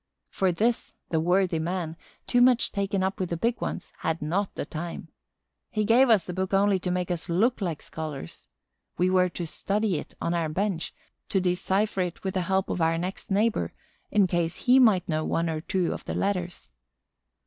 For this, the worthy man, too much taken up with the big ones, had not the time. He gave us the book only to make us look like scholars. We were to study it on our bench, to decipher it with the help of our next neighbor, in case he might know one or two of the letters.